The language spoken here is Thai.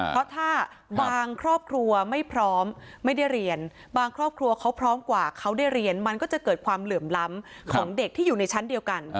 เพราะถ้าบางครอบครัวไม่พร้อมไม่ได้เรียนบางครอบครัวเขาพร้อมกว่าเขาได้เรียนมันก็จะเกิดความเหลื่อมล้ำของเด็กที่อยู่ในชั้นเดียวกัน